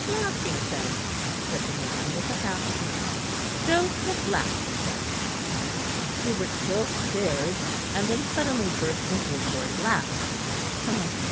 "Lackington," said the man with a half smile; "Joseph Lackington." Hubert still stared; and then suddenly burst into a short laugh.